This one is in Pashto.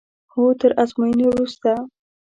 هو تر ازموینې وروسته.